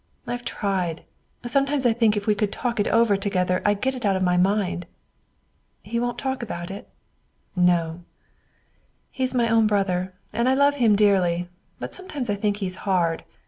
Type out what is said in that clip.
I've tried. Sometimes I think if we could talk it over together I'd get it out of my mind." "He won't talk about it?" "He's my own brother, and I love him dearly. But sometimes I think he's hard.